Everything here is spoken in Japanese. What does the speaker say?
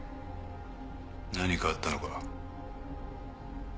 何かあったのか？